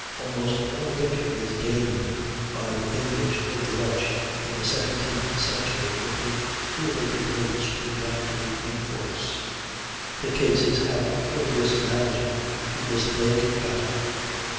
Almost all the victories gamed by the English over the Dutch in the 17th century were due purely to great superiority in force. The cases have a curious analogy to this lake battle.